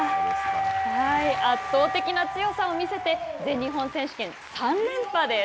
圧倒的な強さを見せて全日本選手権３連覇です。